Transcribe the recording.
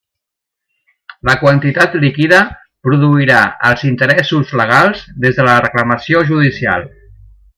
La quantitat líquida produirà els interessos legals des de la reclamació judicial.